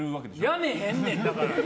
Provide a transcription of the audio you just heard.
やめへんねん、だから。